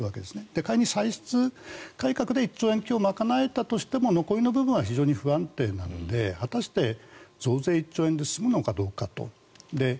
仮に歳出改革で１兆円強を賄えたとしても残りの部分は不安定なので果たして増税１兆円で済むのかと。